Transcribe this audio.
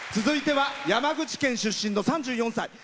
続いては山口県出身の３４歳。